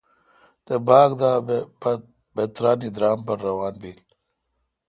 تے باگ دا بہ پتھ بہ تانی درام پر روان بیل